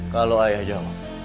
kalau ayah jawab